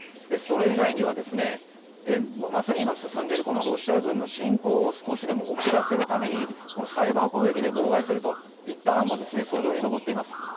それ以外にはまさに今進んでいるロシア軍の侵攻を少しでも遅らせるためにサイバー攻撃で妨害するといった案も俎上に上っています。